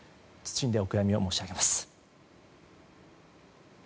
謹んでお悔やみを申し上げます。